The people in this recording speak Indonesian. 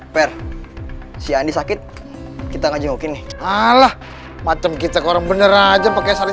per si andi sakit kita ngajenguk ini alah macam kita orang bener aja pakai salin